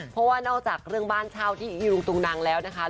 เพราะว่านอกจากเรื่องบ้านเช่าที่อีลุงตุงนังแล้วนะคะ